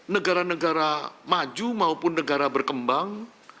negara negara maju maupun negara berkembang